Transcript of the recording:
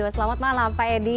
selamat malam pak edy